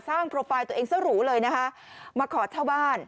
โปรไฟล์ตัวเองซะหรูเลยนะคะมาขอเช่าบ้าน